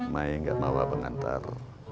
maik gak mau bang antar